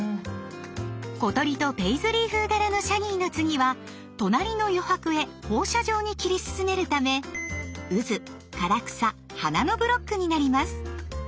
小鳥とペイズリー風柄のシャギーの次は隣の余白へ放射状に切り進めるためうず・唐草・花のブロックになります。